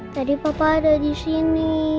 tadi papa ada disini